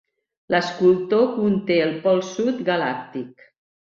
L'Escultor conté el pol sud galàctic.